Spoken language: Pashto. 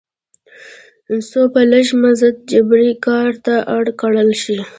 څو په لږ مزد جبري کار ته اړ کړل شي.